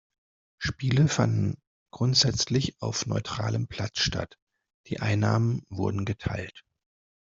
Spiele fanden grundsätzlich auf neutralem Platz statt; die Einnahmen wurden geteilt.